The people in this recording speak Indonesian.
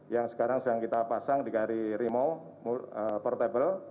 yang sekarang sedang kita pasang di kri rimau portable